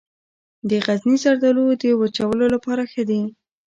د غزني زردالو د وچولو لپاره ښه دي.